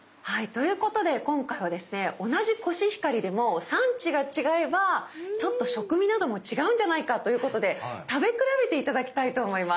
ということで今回はですね同じコシヒカリでも産地が違えばちょっと食味なども違うんじゃないかということで食べ比べて頂きたいと思います。